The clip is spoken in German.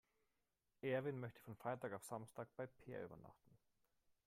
Erwin möchte von Freitag auf Samstag bei Peer übernachten.